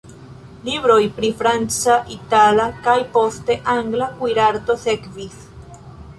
Libroj pri franca, itala kaj, poste, angla kuirarto sekvis.